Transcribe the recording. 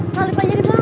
salib aja di bawah